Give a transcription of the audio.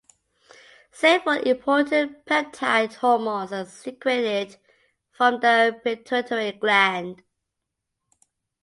Several important peptide hormones are secreted from the pituitary gland.